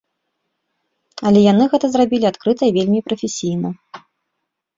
Але яны гэта зрабілі адкрыта і вельмі прафесійна.